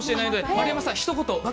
丸山さん、ひと言。